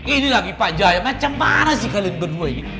ini lagi pak jaya macam mana sih kalian berdua ini